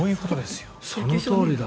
そのとおりだ。